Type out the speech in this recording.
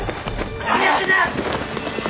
何やってんだ！